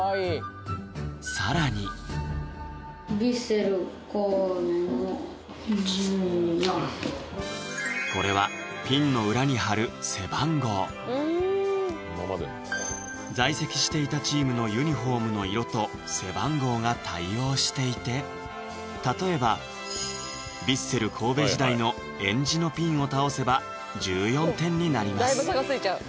更にこれは在籍していたチームのユニホームの色と背番号が対応していて例えばヴィッセル神戸時代のえんじのピンを倒せば１４点になります